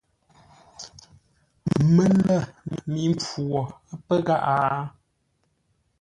Mələ mi mpfu wo pə́ gháʼá?